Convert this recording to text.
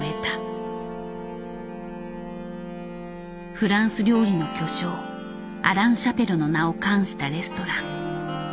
フランス料理の巨匠アラン・シャペルの名を冠したレストラン。